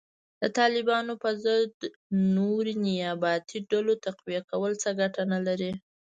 د طالبانو په ضد نورې نیابتي ډلو تقویه کول څه ګټه نه لري